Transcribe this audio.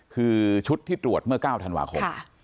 คือชุดที่ตรวจเมื่อ๙ธันวาคม